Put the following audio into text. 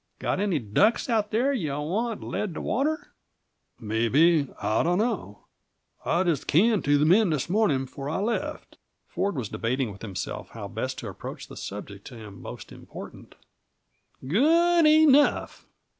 Got any ducks out there you want led to water?" "Maybe I dunno. I just canned two men this morning, before I left." Ford was debating with himself how best to approach the subject to him most important. "Good ee nough!